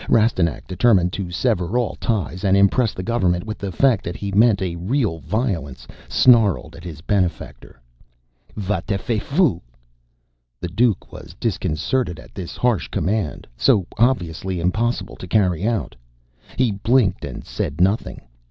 Rastignac, determined to sever all ties and impress the government with the fact that he meant a real violence, snarled at his benefactor, "Va t'feh fout!" The Duke was disconcerted at this harsh command, so obviously impossible to carry out. He blinked and said nothing.